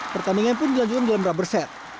pertandingan pun dilanjutkan dalam rubber set